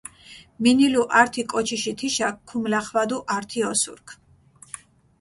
მინილუ ართი კოჩიში თიშა, ქუმლახვადუ ართი ოსურქ.